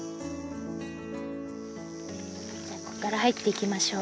ここから入っていきましょう。